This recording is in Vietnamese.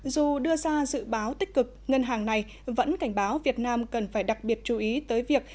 dù đưa ra dự báo tích cực ngân hàng này vẫn cảnh báo việt nam cần phải đặc biệt chú ý tới việc